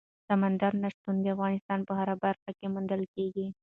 سمندر نه شتون د افغانستان په هره برخه کې موندل کېږي.